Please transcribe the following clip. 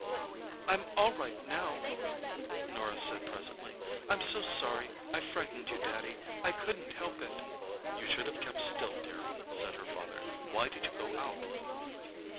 "I'm all right now," Norah said presently. "I'm so sorry I frightened you, Daddy—I couldn't help it." "You should have kept still, dear," said her father. "Why did you go out?"